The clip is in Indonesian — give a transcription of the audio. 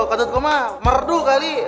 ketut gue mah merdu kali